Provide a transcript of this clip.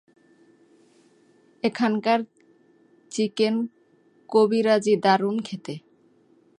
এখানকার চিকেন কবিরাজি দারুণ খেতে।